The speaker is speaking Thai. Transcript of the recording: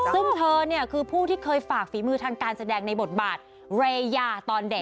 ซึ่งเธอเนี่ยคือผู้ที่เคยฝากฝีมือทางการแสดงในบทบาทเรยาตอนเด็ก